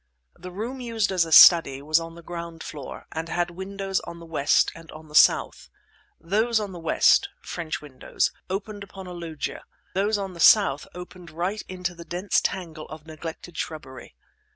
The room used as a study was on the ground floor, and had windows on the west and on the south. Those on the west (French windows) opened on a loggia; those on the south opened right into the dense tangle of a neglected shrubbery.